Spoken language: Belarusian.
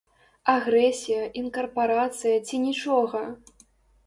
Агрэсія, інкарпарацыя ці нічога?